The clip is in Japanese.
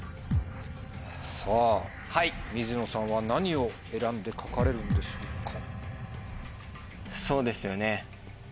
さぁ水野さんは何を選んで書かれるんでしょうか？